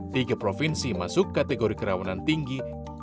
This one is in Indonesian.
tiga provinsi masuk kategori kerawanan tinggi